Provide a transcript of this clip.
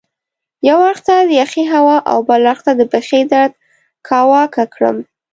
یوه اړخ ته یخې هوا او بل اړخ ته د پښې درد کاواکه کړم.